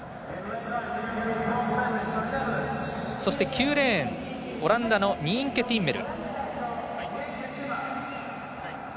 そして、９レーンオランダのニーンケ・ティッメル。